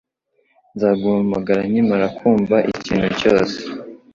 Nzaguhamagara nkimara kumva ikintu cyose